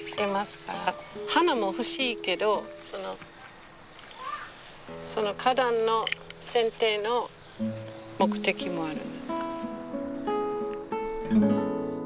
花も欲しいけど花壇のせんていの目的もある。